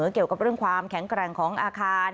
เกี่ยวกับเรื่องความแข็งแกร่งของอาคาร